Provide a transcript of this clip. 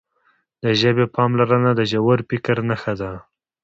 د ژبې پاملرنه د ژور فکر نښه ده.